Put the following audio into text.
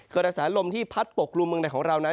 กระแสลมที่พัดปกกลุ่มเมืองในของเรานั้น